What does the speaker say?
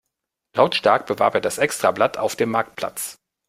Lautstark bewarb er das Extrablatt auf dem Marktplatz.